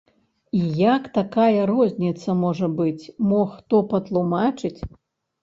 І як такая розніца можа быць, мо хто патлумачыць?